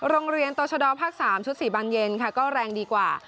โรงเรียนต่อชะดอภาค๓ชุด๔บานเย็นค่ะก็แรงดีกว่า